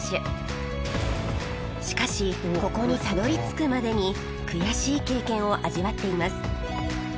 しかしここにたどり着くまでに悔しい経験を味わっています